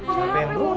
siapa yang burung